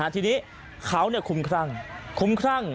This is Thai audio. ที่นี้เขาคุ้มครั่ง